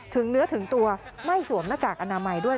ถึงเนื้อถึงตัวไม่สวมหน้ากากอนามัยด้วย